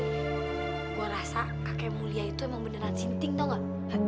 gue rasa kakekmu lia itu emang beneran sinting tau gak